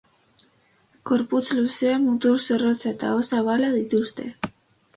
Gorputz luzea, mutur zorrotza eta aho zabala dituzte.